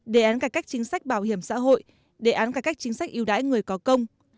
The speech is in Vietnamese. đề án cải cách chính sách bảo hiểm xã hội đề án cải cách chính sách yêu đãi người có công